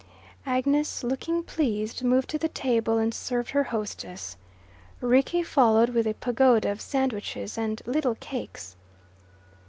Agnes, looking pleased, moved to the table and served her hostess. Rickie followed with a pagoda of sandwiches and little cakes.